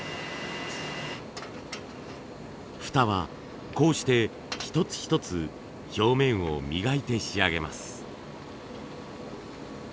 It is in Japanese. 蓋はこうして一つ一つ表面を磨いて仕上げます。